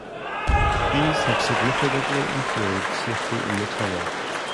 These have significantly improved safety in the tunnel.